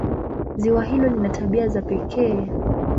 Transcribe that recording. Ziwa hilo lina tabia za pekee.